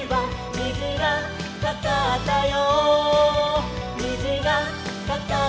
「にじがかかったよ」